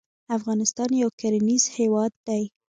افغانستان يو کرنيز هېواد دی.